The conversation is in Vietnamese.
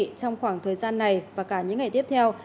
trong khoảng thời gian này và cả những ngày tiếp theo